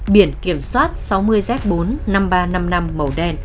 biển kiểm soát sáu mươi z bốn mươi năm nghìn ba trăm năm mươi năm màu đen